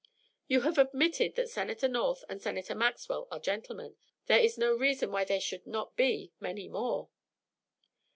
"You have admitted that Senator North and Senator Maxwell are gentlemen. There is no reason why there should not be many more."